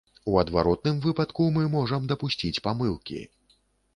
У адваротным выпадку мы можам дапусціць памылкі.